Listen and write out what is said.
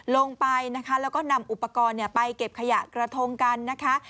ลงไปนะคะแล้วก็นำอุปกรณ์ไปเก็บขยะกระทงกันนะคะ